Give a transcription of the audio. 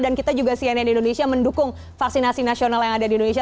dan kita juga cnn indonesia mendukung vaksinasi nasional yang ada di indonesia